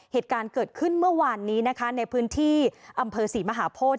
เหตุการณ์เกิดขึ้นเมื่อวานนี้นะคะในพื้นที่อำเภอศรีมหาโพธิ